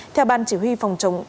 theo ban chỉ huy phòng chống thiên tai